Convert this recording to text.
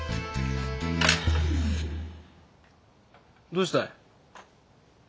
どうした？